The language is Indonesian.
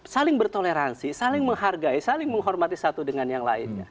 saling bertoleransi saling menghargai saling menghormati satu dengan yang lain